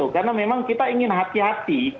karena memang kita ingin hati hati